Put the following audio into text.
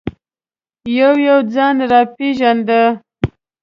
یو یو ځان را پېژانده.